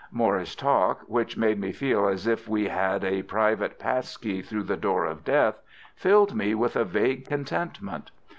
Moir's talk, which made me feel as if we had a private pass key through the door of death, filled me with a vague contentment.